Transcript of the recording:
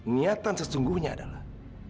niatan sesungguhnya adalah